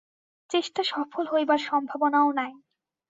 চেষ্টা সফল হইবার সম্ভাবনাও নাই।